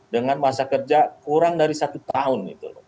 dengan masa kerja kurang dari satu tahun